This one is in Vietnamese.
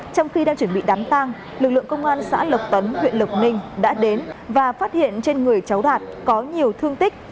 trong khi đang chuẩn bị đám tang lực lượng công an xã lộc tấn huyện lộc ninh đã đến và phát hiện trên người cháu đạt có nhiều thương tích